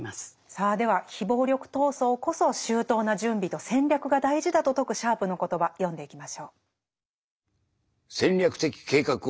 さあでは非暴力闘争こそ周到な準備と戦略が大事だと説くシャープの言葉読んでいきましょう。